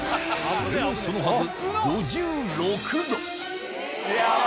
それもそのはず